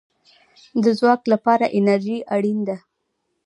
د ځواک لپاره انرژي اړین ده